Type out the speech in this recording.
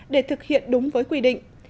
để thực hiện đúng với quy định